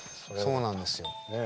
そうなんですよ。